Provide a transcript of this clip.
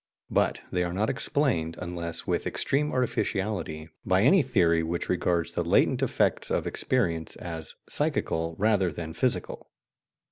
But they are not explained, unless with extreme artificiality, by any theory which regards the latent effects of experience as psychical rather than physical.